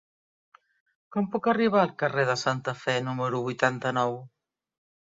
Com puc arribar al carrer de Santa Fe número vuitanta-nou?